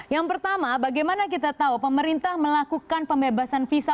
yang pertama bagaimana kita tahu pemerintah melakukan pembebasan visa